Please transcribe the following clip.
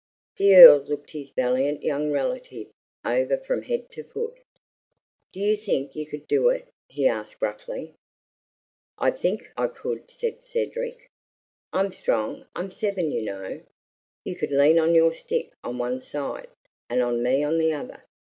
The Earl looked his valiant young relative over from head to foot. "Do you think you could do it?" he asked gruffly. "I THINK I could," said Cedric. "I'm strong. I'm seven, you know. You could lean on your stick on one side, and on me on the other.